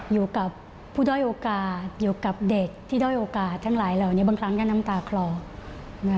อยู่กับผู้ด้อยโอกาสเกี่ยวกับเด็กที่ด้อยโอกาสทั้งหลายเหล่านี้บางครั้งก็น้ำตาคลอ